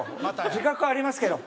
自覚ありますけど。